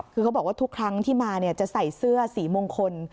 คือเขาบอกว่าทุกครั้งที่มาจะใส่เสื้อสีมงคล